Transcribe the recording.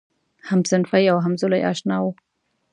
همصنفي او همزولی آشنا و.